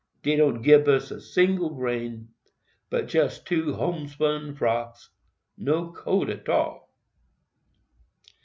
_ Dey don't gib us a single grain but jist two homespun frocks—no coat 't all.